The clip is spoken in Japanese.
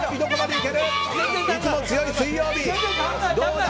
いつも強い水曜日、どうだ。